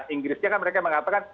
inggrisnya kan mereka mengatakan